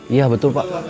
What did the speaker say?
iya betul pak